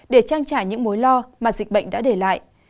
để trang trải những mối lo mà dịch bệnh đã để lại